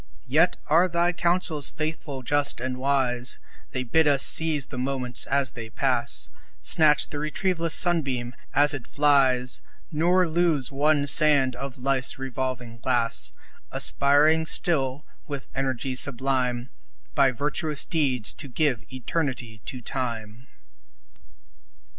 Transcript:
Yet are thy counsels faithful, just, and wise; They bid us seize the moments as they pass Snatch the retrieveless sunbeam as it flies, Nor lose one sand of life's revolving glass Aspiring still, with energy sublime, By virtuous deeds to give eternity to Time.